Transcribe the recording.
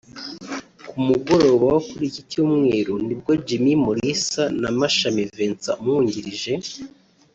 Ku mugoroba wo kuri iki Cyumweru nibwo Jimmy Mulisa na Mashami Vincent umwungirije